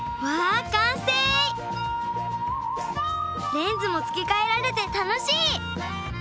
レンズもつけかえられてたのしい！